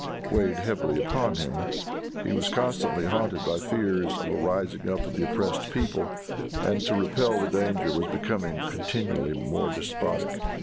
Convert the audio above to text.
weighed heavily upon him. He was constantly haunted by fears of a rising of the oppressed people, and to repel that danger was becoming continually more despotic.